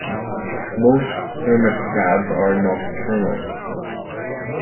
Most hermit crabs are nocturnal.